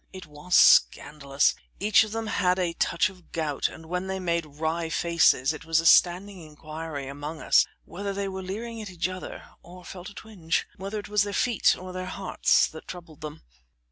It was scandalous. Each of them had a touch of gout, and when they made wry faces it was a standing inquiry among us whether they were leering at each other or felt a twinge whether it was their feet or their hearts, that troubled them.